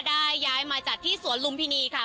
ได้ย้ายมาจัดที่สวนลุมพินีค่ะ